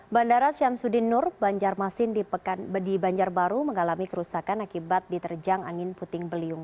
bandara syamsuddin nur banjarmasin di banjarbaru mengalami kerusakan akibat diterjang angin puting beliung